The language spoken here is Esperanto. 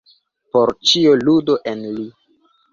Por ĉio ludu en li.